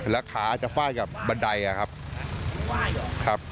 แล้วขาจะฟาดกับบันไดครับ